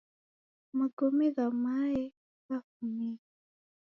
Magome gha maye ghafumie